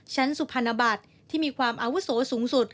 สุพรรณบัตรที่มีความอาวุโสสูงสุด